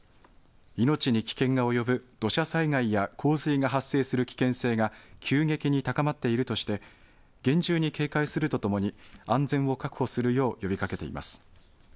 命に危険が及ぶ土砂災害や洪水が発生する危険性が急激に高まっているとして厳重に警戒するとともに安全を確保するよう呼びかけています。